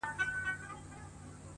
دا راته مه وايه چي تا نه منم دى نه منم؛